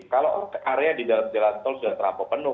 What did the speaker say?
kalau area di dalam jalan sol sudah terlalu penuh